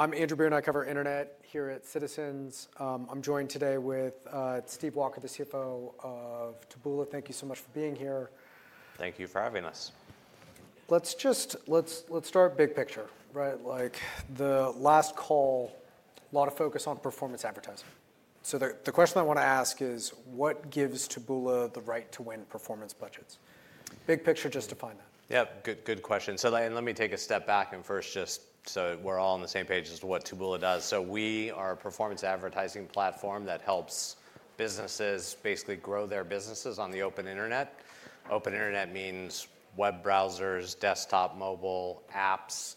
I'm Andrew Beer, and I cover internet here at Citizens. I'm joined today with Steve Walker, the CFO of Taboola. Thank you so much for being here. Thank you for having us. Let's just start big picture, right? The last call, a lot of focus on performance advertising. The question I want to ask is, what gives Taboola the right to win performance budgets? Big picture, just define that. Yeah, good question. Let me take a step back and first just so we're all on the same page as to what Taboola does. We are a performance advertising platform that helps businesses basically grow their businesses on the open internet. Open internet means web browsers, desktop, mobile, apps,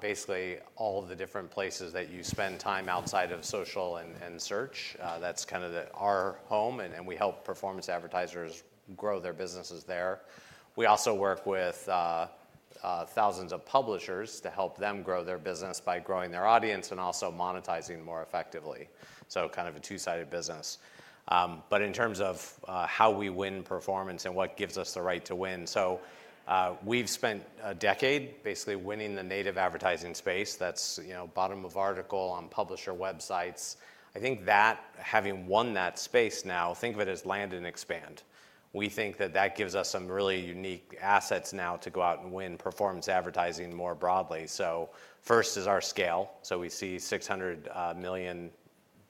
basically all of the different places that you spend time outside of social and search. That's kind of our home, and we help performance advertisers grow their businesses there. We also work with thousands of publishers to help them grow their business by growing their audience and also monetizing more effectively. Kind of a two-sided business. In terms of how we win performance and what gives us the right to win, we've spent a decade basically winning the native advertising space. That's bottom of article on publisher websites. I think that having won that space now, think of it as land and expand. We think that that gives us some really unique assets now to go out and win performance advertising more broadly. First is our scale. We see 600 million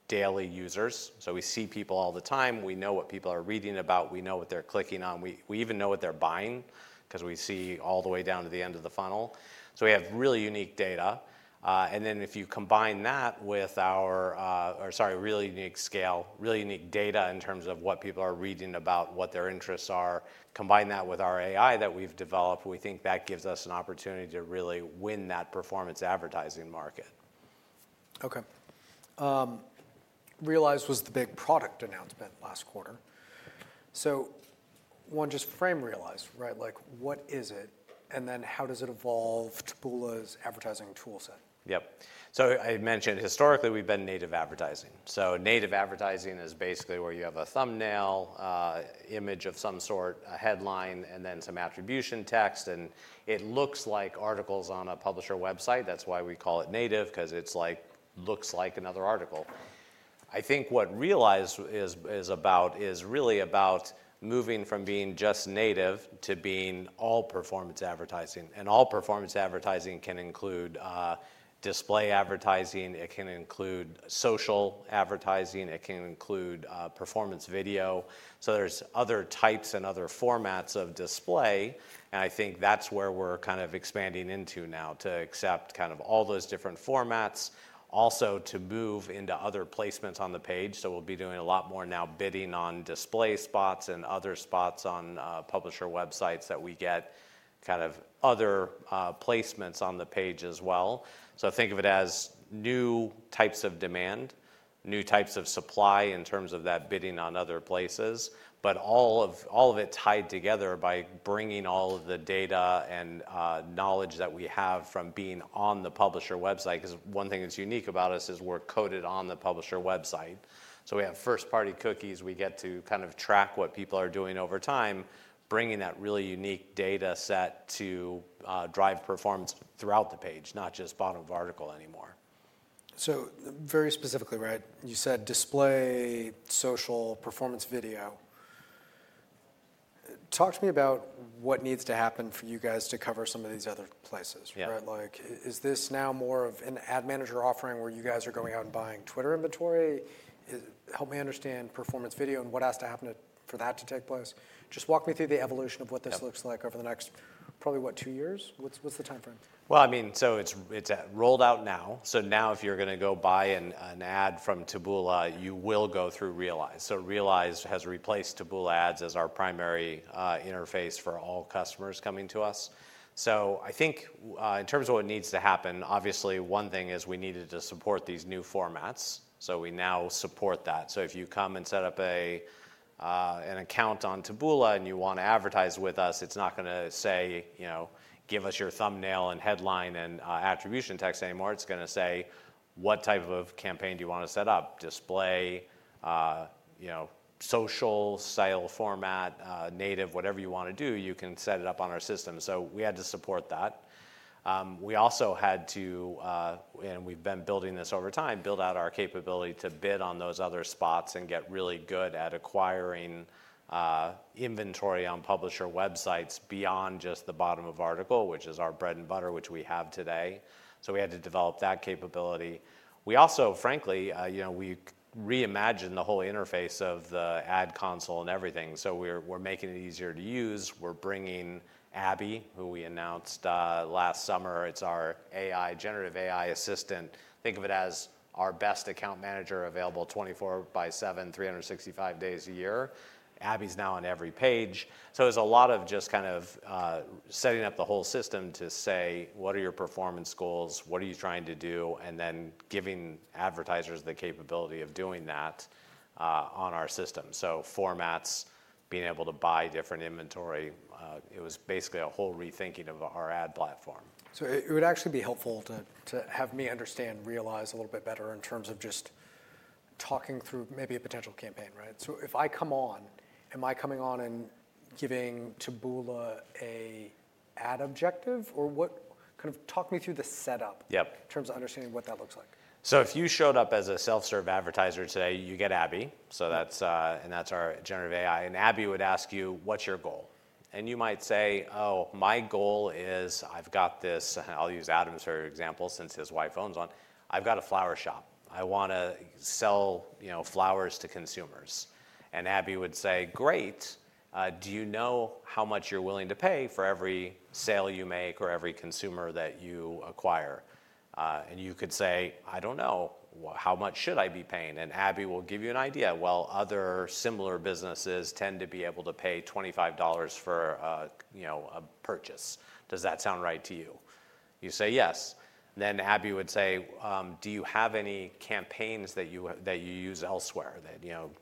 daily users. We see people all the time. We know what people are reading about. We know what they're clicking on. We even know what they're buying because we see all the way down to the end of the funnel. We have really unique data. If you combine that with our, sorry, really unique scale, really unique data in terms of what people are reading about, what their interests are, combine that with our AI that we've developed, we think that gives us an opportunity to really win that performance advertising market. OK. Realize was the big product announcement last quarter. One, just frame Realize, right? What is it? Then how does it evolve Taboola's advertising toolset? Yep. I mentioned historically we've been native advertising. Native advertising is basically where you have a thumbnail, image of some sort, a headline, and then some attribution text. It looks like articles on a publisher website. That's why we call it native, because it looks like another article. I think what Realize is about is really about moving from being just native to being all performance advertising. All performance advertising can include display advertising. It can include social advertising. It can include performance video. There are other types and other formats of display. I think that's where we're kind of expanding into now to accept kind of all those different formats, also to move into other placements on the page. We'll be doing a lot more now bidding on display spots and other spots on publisher websites that we get kind of other placements on the page as well. Think of it as new types of demand, new types of supply in terms of that bidding on other places, but all of it tied together by bringing all of the data and knowledge that we have from being on the publisher website. Because one thing that's unique about us is we're coded on the publisher website. We have first-party cookies. We get to kind of track what people are doing over time, bringing that really unique data set to drive performance throughout the page, not just bottom of article anymore. Very specifically, right? You said display, social, performance video. Talk to me about what needs to happen for you guys to cover some of these other places. Is this now more of an ad manager offering where you guys are going out and buying Twitter inventory? Help me understand performance video and what has to happen for that to take place. Just walk me through the evolution of what this looks like over the next probably what, two years? What's the time frame? I mean, so it's rolled out now. Now if you're going to go buy an ad from Taboola, you will go through Realize. Realize has replaced Taboola ads as our primary interface for all customers coming to us. I think in terms of what needs to happen, obviously one thing is we needed to support these new formats. We now support that. If you come and set up an account on Taboola and you want to advertise with us, it's not going to say, give us your thumbnail and headline and attribution text anymore. It's going to say, what type of campaign do you want to set up? Display, social, style, format, native, whatever you want to do, you can set it up on our system. We had to support that. We also had to, and we've been building this over time, build out our capability to bid on those other spots and get really good at acquiring inventory on publisher websites beyond just the bottom of article, which is our bread and butter, which we have today. We had to develop that capability. We also, frankly, we reimagined the whole interface of the ad console and everything. We are making it easier to use. We are bringing Abby, who we announced last summer. It is our AI, generative AI assistant. Think of it as our best account manager available 24/7, 365 days a year. Abby is now on every page. There is a lot of just kind of setting up the whole system to say, what are your performance goals? What are you trying to do? Then giving advertisers the capability of doing that on our system. Formats, being able to buy different inventory. It was basically a whole rethinking of our ad platform. It would actually be helpful to have me understand Realize a little bit better in terms of just talking through maybe a potential campaign, right? If I come on, am I coming on and giving Taboola an ad objective? Or kind of talk me through the setup in terms of understanding what that looks like. If you showed up as a self-serve advertiser today, you get Abby. That's our generative AI. Abby would ask you, what's your goal? You might say, oh, my goal is I've got this—I will use Adam's for example since his wife owns one—I've got a flower shop. I want to sell flowers to consumers. Abby would say, great. Do you know how much you're willing to pay for every sale you make or every consumer that you acquire? You could say, I don't know. How much should I be paying? Abby will give you an idea. Other similar businesses tend to be able to pay $25 for a purchase. Does that sound right to you? You say yes. Abby would say, do you have any campaigns that you use elsewhere?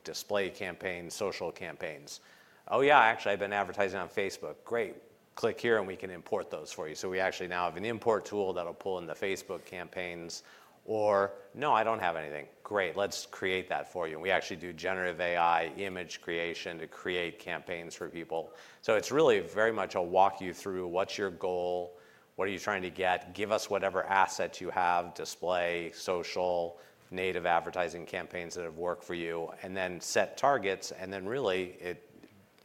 Display campaigns, social campaigns. Oh yeah, actually, I've been advertising on Facebook. Great. Click here and we can import those for you. We actually now have an import tool that'll pull in the Facebook campaigns. No, I don't have anything. Great. Let's create that for you. We actually do generative AI image creation to create campaigns for people. It is really very much a walk you through what's your goal, what are you trying to get, give us whatever assets you have, display, social, native advertising campaigns that have worked for you, and then set targets. Really,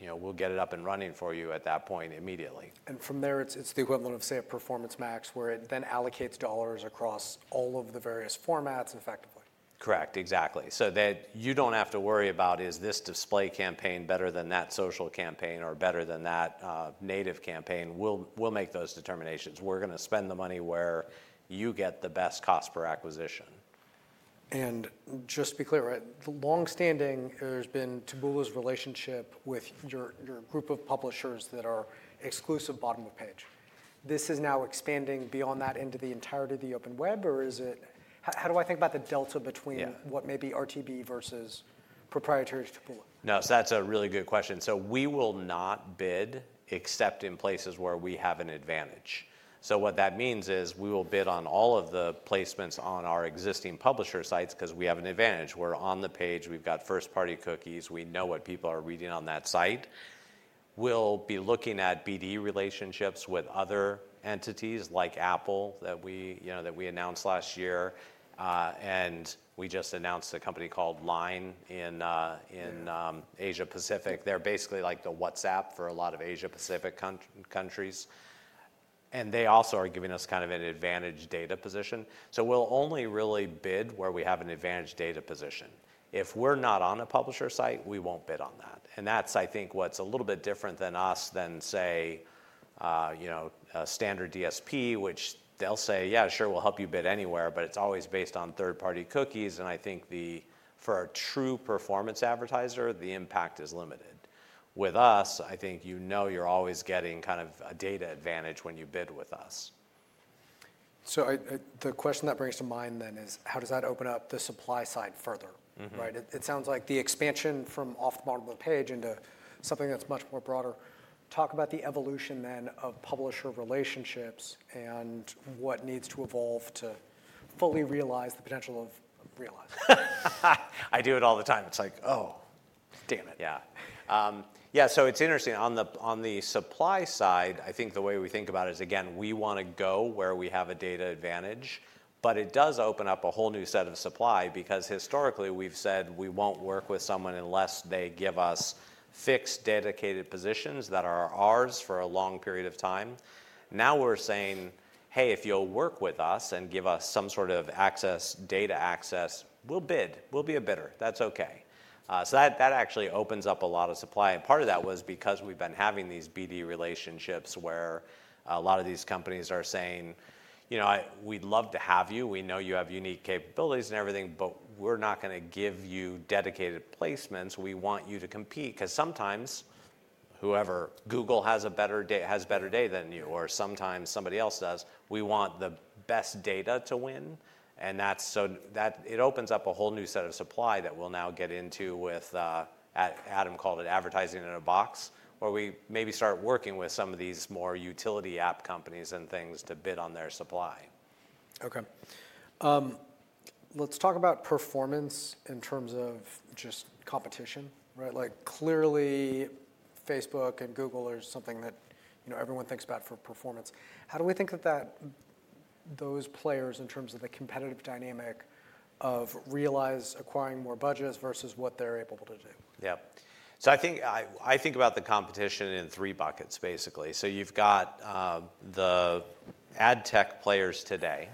we'll get it up and running for you at that point immediately. From there, it's the equivalent of, say, a Performance Max where it then allocates dollars across all of the various formats effectively. Correct. Exactly. So that you do not have to worry about, is this display campaign better than that social campaign or better than that native campaign? We will make those determinations. We are going to spend the money where you get the best cost per acquisition. Just be clear, right? Longstanding, there's been Taboola's relationship with your group of publishers that are exclusive bottom of page. This is now expanding beyond that into the entirety of the open web? How do I think about the delta between what may be RTB versus proprietary Taboola? No, that's a really good question. We will not bid except in places where we have an advantage. What that means is we will bid on all of the placements on our existing publisher sites because we have an advantage. We're on the page. We've got first-party cookies. We know what people are reading on that site. We'll be looking at BD relationships with other entities like Apple that we announced last year. We just announced a company called Line in Asia-Pacific. They're basically like the WhatsApp for a lot of Asia-Pacific countries. They also are giving us kind of an advantage data position. We'll only really bid where we have an advantage data position. If we're not on a publisher site, we won't bid on that. That is, I think, what is a little bit different than us than, say, a standard DSP, which they will say, yeah, sure, we will help you bid anywhere, but it is always based on third-party cookies. I think for a true performance advertiser, the impact is limited. With us, I think you know you are always getting kind of a data advantage when you bid with us. The question that brings to mind then is, how does that open up the supply side further? It sounds like the expansion from off the bottom of the page into something that's much more broader. Talk about the evolution then of publisher relationships and what needs to evolve to fully realize the potential of Realize. I do it all the time. It's like, oh, damn it. Yeah. Yeah, so it's interesting. On the supply side, I think the way we think about it is, again, we want to go where we have a data advantage. It does open up a whole new set of supply because historically we've said we won't work with someone unless they give us fixed dedicated positions that are ours for a long period of time. Now we're saying, hey, if you'll work with us and give us some sort of access, data access, we'll bid. We'll be a bidder. That's OK. That actually opens up a lot of supply. Part of that was because we've been having these BD relationships where a lot of these companies are saying, we'd love to have you. We know you have unique capabilities and everything, but we're not going to give you dedicated placements. We want you to compete because sometimes whoever, Google has a better day than you, or sometimes somebody else does. We want the best data to win. That opens up a whole new set of supply that we'll now get into with Adam called it advertising in a box, where we maybe start working with some of these more utility app companies and things to bid on their supply. OK. Let's talk about performance in terms of just competition. Clearly, Facebook and Google are something that everyone thinks about for performance. How do we think that those players in terms of the competitive dynamic of Realize acquiring more budgets versus what they're able to do? Yeah. I think about the competition in three buckets, basically. You have the ad tech players today.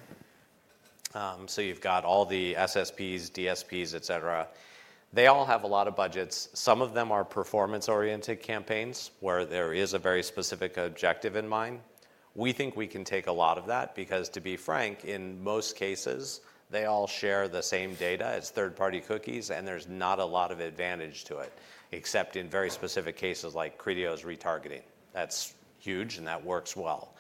You have all the SSPs, DSPs, et cetera. They all have a lot of budgets. Some of them are performance-oriented campaigns where there is a very specific objective in mind. We think we can take a lot of that because, to be frank, in most cases, they all share the same data. It is third-party cookies. There is not a lot of advantage to it, except in very specific cases like Criteo's retargeting. That is huge. That works well.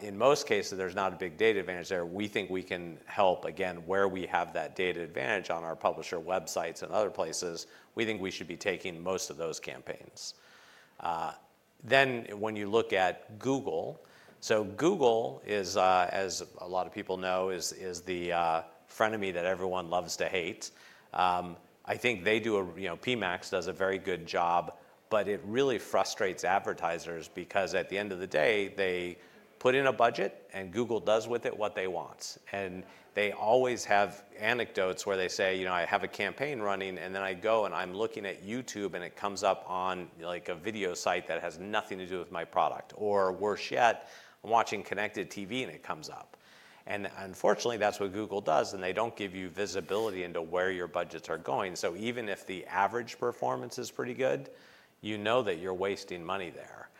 In most cases, there is not a big data advantage there. We think we can help, again, where we have that data advantage on our publisher websites and other places. We think we should be taking most of those campaigns. When you look at Google, so Google is, as a lot of people know, is the frenemy that everyone loves to hate. I think they do a PMax does a very good job, but it really frustrates advertisers because at the end of the day, they put in a budget and Google does with it what they want. They always have anecdotes where they say, I have a campaign running. I go and I'm looking at YouTube and it comes up on a video site that has nothing to do with my product. Or worse yet, I'm watching connected TV and it comes up. Unfortunately, that's what Google does. They don't give you visibility into where your budgets are going. Even if the average performance is pretty good, you know that you're wasting money there.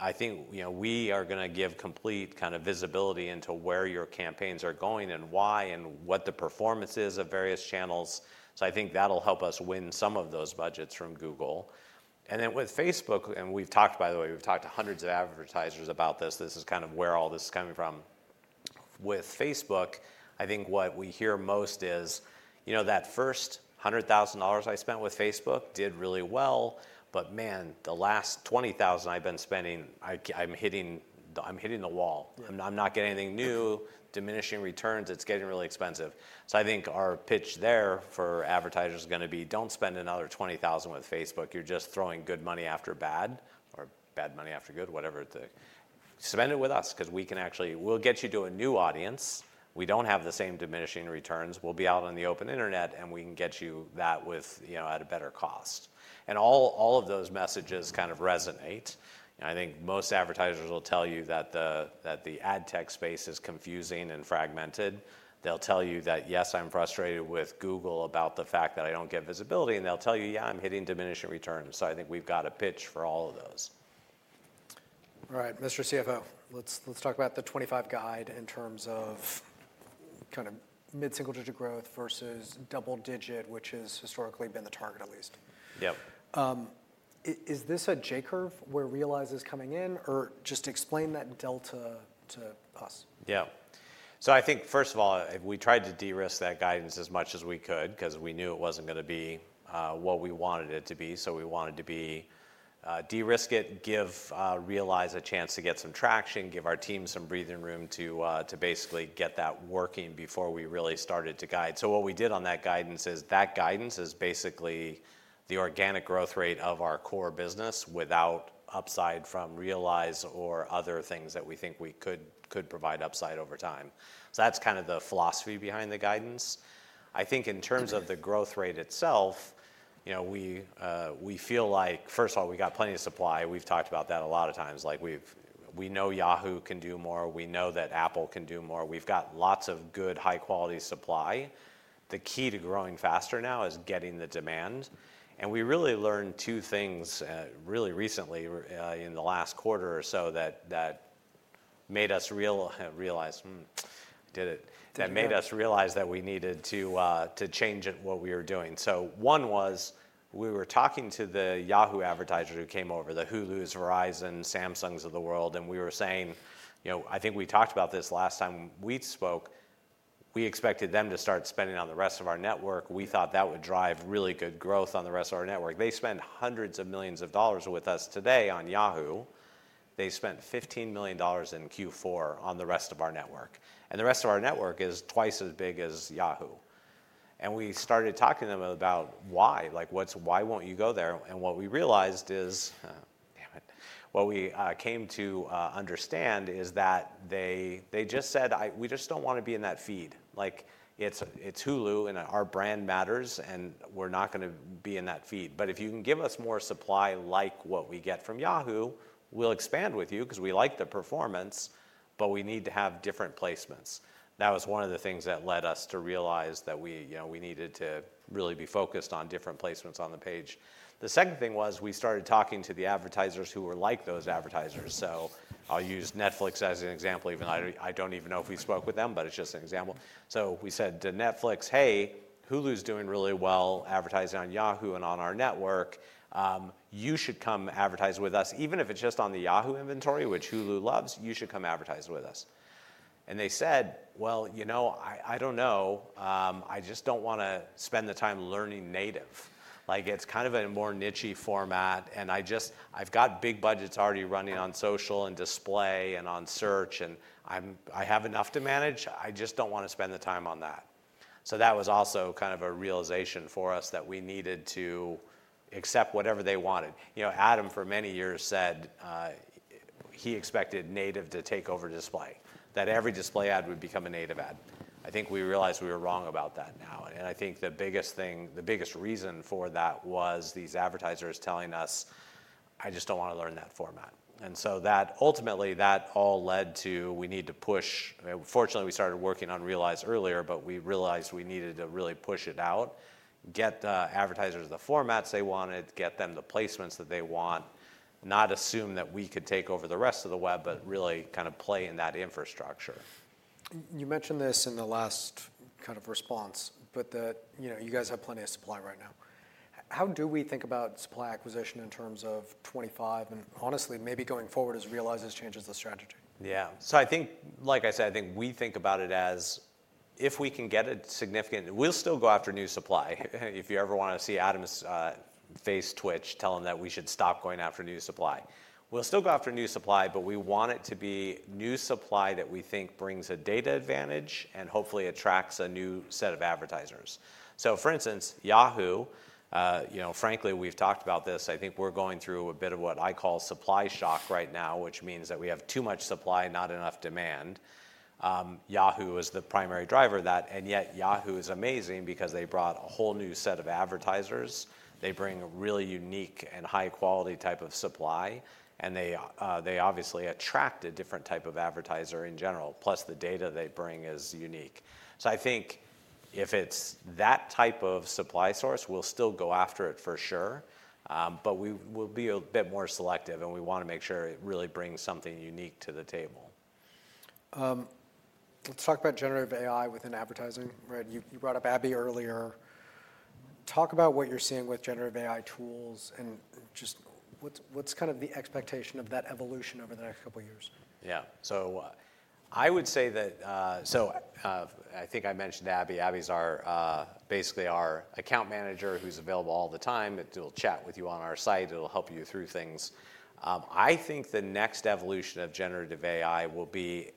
I think we are going to give complete kind of visibility into where your campaigns are going and why and what the performance is of various channels. I think that'll help us win some of those budgets from Google. With Facebook, and we've talked, by the way, we've talked to hundreds of advertisers about this. This is kind of where all this is coming from. With Facebook, I think what we hear most is that first $100,000 I spent with Facebook did really well. But man, the last $20,000 I've been spending, I'm hitting the wall. I'm not getting anything new, diminishing returns. It's getting really expensive. I think our pitch there for advertisers is going to be, don't spend another $20,000 with Facebook. You're just throwing good money after bad or bad money after good, whatever. Spend it with us because we can actually, we'll get you to a new audience. We don't have the same diminishing returns. We'll be out on the open internet and we can get you that at a better cost. All of those messages kind of resonate. I think most advertisers will tell you that the ad tech space is confusing and fragmented. They'll tell you that, yes, I'm frustrated with Google about the fact that I don't get visibility. They'll tell you, yeah, I'm hitting diminishing returns. I think we've got a pitch for all of those. All right, Mr. CFO. Let's talk about the 2025 guide in terms of kind of mid-single digit growth versus double digit, which has historically been the target at least. Yep. Is this a J curve where Realize is coming in? Or just explain that delta to us. Yeah. I think, first of all, we tried to de-risk that guidance as much as we could because we knew it wasn't going to be what we wanted it to be. We wanted to de-risk it, give Realize a chance to get some traction, give our team some breathing room to basically get that working before we really started to guide. What we did on that guidance is that guidance is basically the organic growth rate of our core business without upside from Realize or other things that we think we could provide upside over time. That's kind of the philosophy behind the guidance. I think in terms of the growth rate itself, we feel like, first of all, we got plenty of supply. We've talked about that a lot of times. We know Yahoo can do more. We know that Apple can do more. We've got lots of good high-quality supply. The key to growing faster now is getting the demand. We really learned two things really recently in the last quarter or so that made us realize, did it, that made us realize that we needed to change what we were doing. One was we were talking to the Yahoo advertisers who came over, the Hulus, Verizon, Samsungs of the world. We were saying, I think we talked about this last time we spoke, we expected them to start spending on the rest of our network. We thought that would drive really good growth on the rest of our network. They spend hundreds of millions of dollars with us today on Yahoo. They spent $15 million in Q4 on the rest of our network. The rest of our network is twice as big as Yahoo. We started talking to them about why. Why won't you go there? What we realized is what we came to understand is that they just said, we just don't want to be in that feed. It's Hulu. Our brand matters. We're not going to be in that feed. If you can give us more supply like what we get from Yahoo, we'll expand with you because we like the performance. We need to have different placements. That was one of the things that led us to realize that we needed to really be focused on different placements on the page. The second thing was we started talking to the advertisers who were like those advertisers. I'll use Netflix as an example. I don't even know if we spoke with them, but it's just an example. We said to Netflix, hey, Hulu's doing really well advertising on Yahoo and on our network. You should come advertise with us. Even if it's just on the Yahoo inventory, which Hulu loves, you should come advertise with us. They said, well, you know I don't know. I just don't want to spend the time learning native. It's kind of a more niche-y format. I've got big budgets already running on social and display and on search. I have enough to manage. I just don't want to spend the time on that. That was also kind of a realization for us that we needed to accept whatever they wanted. Adam, for many years, said he expected native to take over display, that every display ad would become a native ad. I think we realized we were wrong about that now. I think the biggest reason for that was these advertisers telling us, I just don't want to learn that format. Ultimately, that all led to we need to push. Fortunately, we started working on Realize earlier. We realized we needed to really push it out, get the advertisers the formats they wanted, get them the placements that they want, not assume that we could take over the rest of the web, but really kind of play in that infrastructure. You mentioned this in the last kind of response, but that you guys have plenty of supply right now. How do we think about supply acquisition in terms of 2025 and honestly, maybe going forward as Realize changes the strategy? Yeah. I think, like I said, I think we think about it as if we can get a significant, we'll still go after new supply. If you ever want to see Adam face Twitch, tell him that we should stop going after new supply. We'll still go after new supply. We want it to be new supply that we think brings a data advantage and hopefully attracts a new set of advertisers. For instance, Yahoo, frankly, we've talked about this. I think we're going through a bit of what I call supply shock right now, which means that we have too much supply, not enough demand. Yahoo is the primary driver of that. Yet Yahoo is amazing because they brought a whole new set of advertisers. They bring a really unique and high-quality type of supply. They obviously attract a different type of advertiser in general. Plus, the data they bring is unique. I think if it is that type of supply source, we will still go after it for sure. We will be a bit more selective, and we want to make sure it really brings something unique to the table. Let's talk about generative AI within advertising. You brought up Abby earlier. Talk about what you're seeing with generative AI tools. Just what's kind of the expectation of that evolution over the next couple of years? Yeah. I would say that I think I mentioned Abby. Abby is basically our account manager who's available all the time. It'll chat with you on our site. It'll help you through things. I think the next evolution of generative AI will be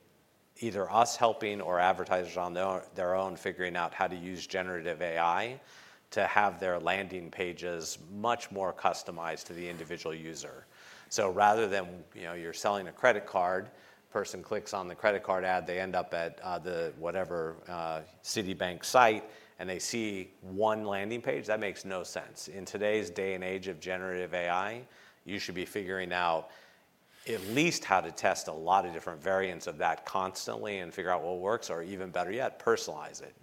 either us helping or advertisers on their own figuring out how to use generative AI to have their landing pages much more customized to the individual user. Rather than you're selling a credit card, a person clicks on the credit card ad. They end up at the whatever Citibank site. They see one landing page. That makes no sense. In today's day and age of generative AI, you should be figuring out at least how to test a lot of different variants of that constantly and figure out what works. Or even better yet, personalize it.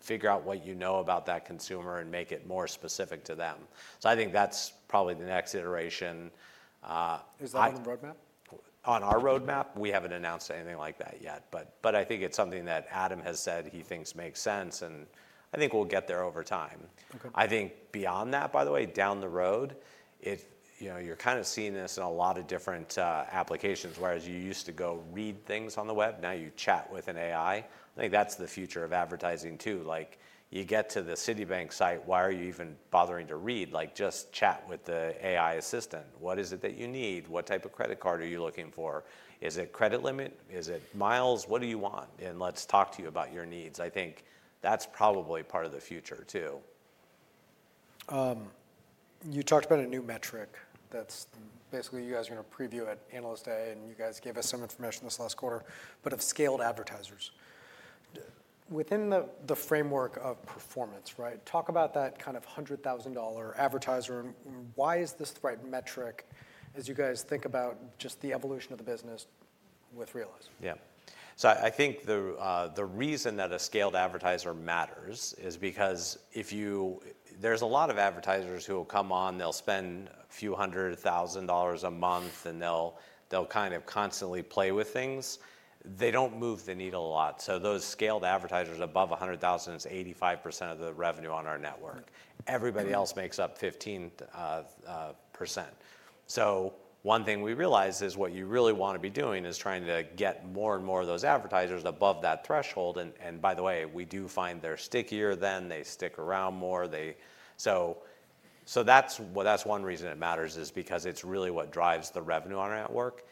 Figure out what you know about that consumer and make it more specific to them. I think that's probably the next iteration. Is that on the roadmap? On our roadmap, we haven't announced anything like that yet. I think it's something that Adam has said he thinks makes sense. I think we'll get there over time. I think beyond that, by the way, down the road, you're kind of seeing this in a lot of different applications. Whereas you used to go read things on the web, now you chat with an AI. I think that's the future of advertising too. You get to the Citibank site. Why are you even bothering to read? Just chat with the AI assistant. What is it that you need? What type of credit card are you looking for? Is it credit limit? Is it miles? What do you want? Let's talk to you about your needs. I think that's probably part of the future too. You talked about a new metric that's basically you guys are going to preview at analyst day. You guys gave us some information this last quarter but of scaled advertisers. Within the framework of performance, talk about that kind of $100,000 advertiser. Why is this the right metric as you guys think about just the evolution of the business with Realize? Yeah. I think the reason that a scaled advertiser matters is because if you, there's a lot of advertisers who will come on. They'll spend a few hundred thousand dollars a month. They'll kind of constantly play with things. They do not move the needle a lot. Those scaled advertisers above $100,000 is 85% of the revenue on our network. Everybody else makes up 15%. One thing we realized is what you really want to be doing is trying to get more and more of those advertisers above that threshold. By the way, we do find they're stickier then. They stick around more. That's one reason it matters is because it's really what drives the revenue on our network.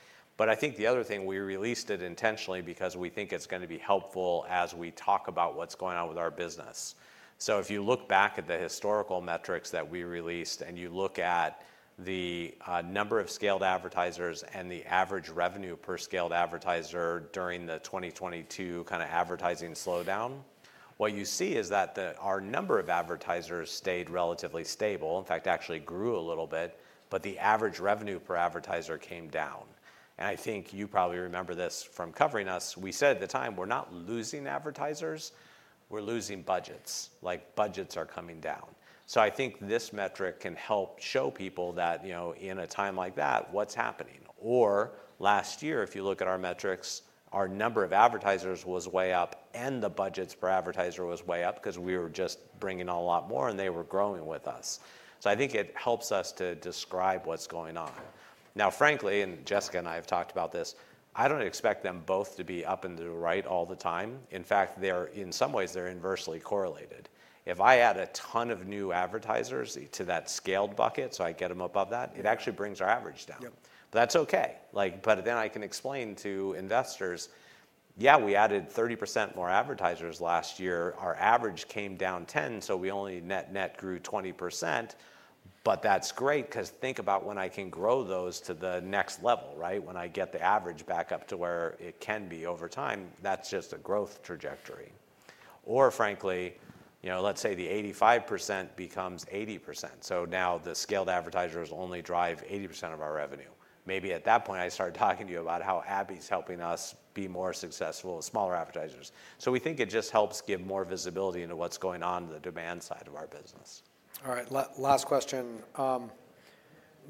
I think the other thing, we released it intentionally because we think it's going to be helpful as we talk about what's going on with our business. If you look back at the historical metrics that we released and you look at the number of scaled advertisers and the average revenue per scaled advertiser during the 2022 kind of advertising slowdown, what you see is that our number of advertisers stayed relatively stable. In fact, actually grew a little bit. The average revenue per advertiser came down. I think you probably remember this from covering us. We said at the time, we're not losing advertisers. We're losing budgets. Budgets are coming down. I think this metric can help show people that in a time like that, what's happening. Last year, if you look at our metrics, our number of advertisers was way up. The budgets per advertiser was way up because we were just bringing on a lot more. They were growing with us. I think it helps us to describe what's going on. Now, frankly, and Jessica and I have talked about this, I don't expect them both to be up and to the right all the time. In fact, in some ways, they're inversely correlated. If I add a ton of new advertisers to that scaled bucket, so I get them above that, it actually brings our average down. That's OK. Then I can explain to investors, yeah, we added 30% more advertisers last year. Our average came down 10%. We only net-net grew 20%. That's great because think about when I can grow those to the next level. When I get the average back up to where it can be over time, that's just a growth trajectory. Or frankly, let's say the 85% becomes 80%. Now the scaled advertisers only drive 80% of our revenue. Maybe at that point, I start talking to you about how Abby is helping us be more successful with smaller advertisers. We think it just helps give more visibility into what's going on in the demand side of our business. All right. Last question.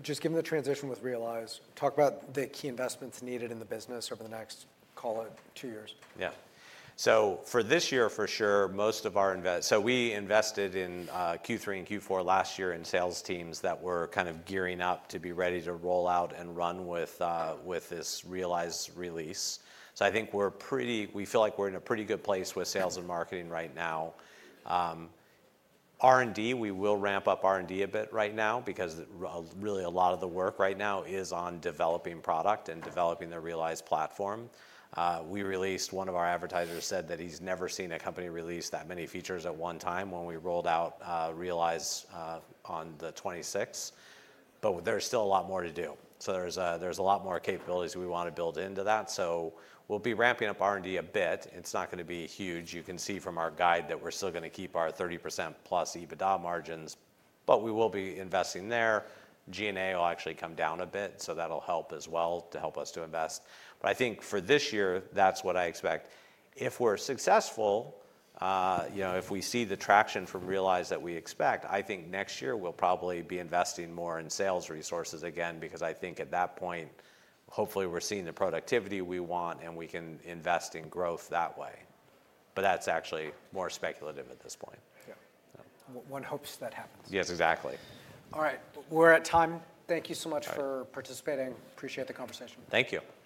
Just given the transition with Realize, talk about the key investments needed in the business over the next, call it, two years. Yeah. For this year, for sure, most of our—so we invested in Q3 and Q4 last year in sales teams that were kind of gearing up to be ready to roll out and run with this Realize release. I think we're pretty—we feel like we're in a pretty good place with sales and marketing right now. R&D, we will ramp up R&D a bit right now because really a lot of the work right now is on developing product and developing the Realize platform. We released—one of our advertisers said that he's never seen a company release that many features at one time when we rolled out Realize on the 26th. There's still a lot more to do. There's a lot more capabilities we want to build into that. We'll be ramping up R&D a bit. It's not going to be huge. You can see from our guide that we're still going to keep our 30%+ EBITDA margins. We will be investing there. G&A will actually come down a bit. That will help as well to help us to invest. I think for this year, that's what I expect. If we're successful, if we see the traction from Realize that we expect, I think next year we'll probably be investing more in sales resources again because I think at that point, hopefully, we're seeing the productivity we want. We can invest in growth that way. That's actually more speculative at this point. Yeah. One hopes that happens. Yes, exactly. All right. We're at time. Thank you so much for participating. Appreciate the conversation. Thank you.